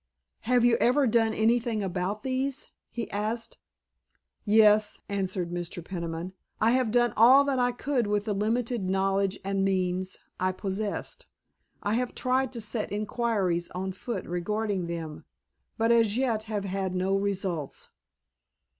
"Have you ever done anything about these?" he asked. "Yes," answered Mr. Peniman; "I have done all that I could with the limited knowledge and means I possessed. I have tried to set inquiries on foot regarding them, but as yet have had no results."